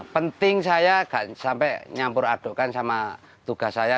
penting saya sampai nyampur adukkan sama tugas saya